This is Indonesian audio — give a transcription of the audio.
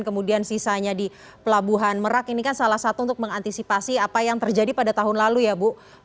kemudian sisanya di pelabuhan merak ini kan salah satu untuk mengantisipasi apa yang terjadi pada tahun lalu ya bu